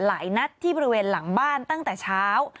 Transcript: หลายนัดที่บริเวณหลังบ้านตั้งแต่เช้า